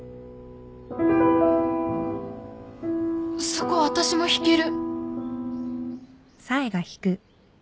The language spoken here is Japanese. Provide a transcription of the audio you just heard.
そこ私も弾ける。